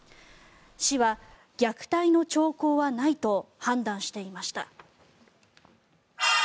市は虐待の兆候はないと判断していました。